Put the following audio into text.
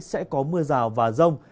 sẽ có mưa rào và rông